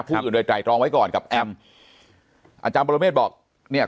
พูดอยู่ในไต่ตรองไว้ก่อนกับแอมอาจารย์บรมเมฆบอกเนี่ย